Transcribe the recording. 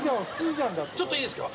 ちょっといいですか？